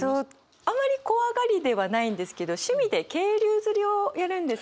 あんまり怖がりではないんですけど趣味で渓流釣りをやるんですけど。